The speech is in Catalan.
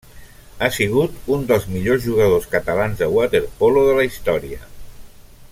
Ha sigut un dels millors jugadors catalans de waterpolo de la història.